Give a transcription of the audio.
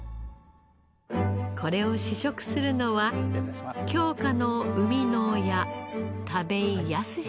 これを試食するのは京香の生みの親田部井靖さんです。